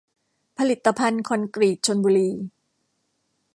ผลิตภัณฑ์คอนกรีตชลบุรี